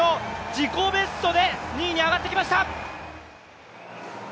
自己ベストで２位に上がってきました。